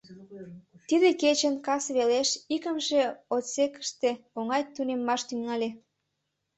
Тиде кечын, кас велеш, икымше отсекыште оҥай тунеммаш тӱҥале.